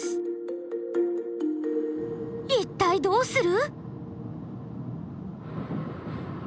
一体どうする？